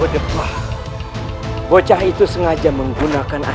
rupanya dia bukan orang sebuah orang